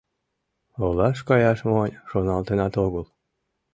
Олаш каяш монь шоналтенат огыл.